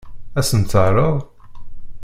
Ad sen-t-teɛṛeḍ?